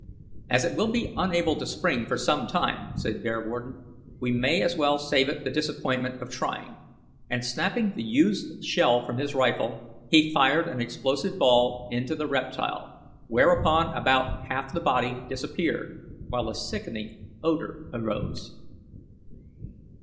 "As it will be unable to spring for some time," said Bearwarden, "we might as well save it the disappointment of trying," and, snapping the used shell from his rifle, he fired an explosive ball into the reptile, whereupon about half the body disappeared, while a sickening odour arose.